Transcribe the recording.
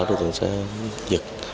đối tượng sẽ giật